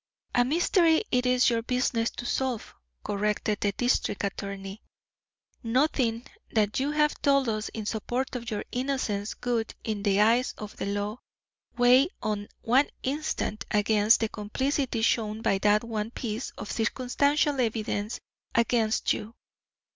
"A mystery it is your business to solve," corrected the district attorney. "Nothing that you have told us in support of your innocence would, in the eyes of the law, weigh for one instant against the complicity shown by that one piece of circumstantial evidence against you."